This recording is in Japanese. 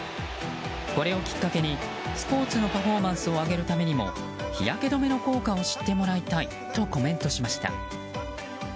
これをきっかけにスポーツのパフォーマンスを上げるためにも日焼け止めの効果を知ってもらいたいとコメントしました。